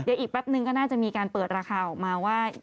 เดี๋ยวอีกแป๊บนึงก็น่าจะมีการเปิดราคาออกมาว่า